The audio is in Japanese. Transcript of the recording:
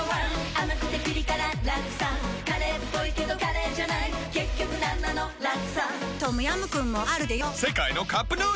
甘くてピリ辛ラクサカレーっぽいけどカレーじゃない結局なんなのラクサトムヤムクンもあるでヨ世界のカップヌードル